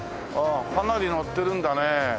かなり乗ってるんだね。